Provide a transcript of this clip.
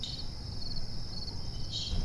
زه مخکي سیر کړی و!